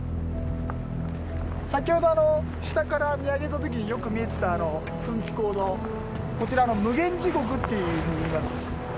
先ほど下から見上げた時によく見えてたあの噴気孔のこちら「無間地獄」っていうふうに言います。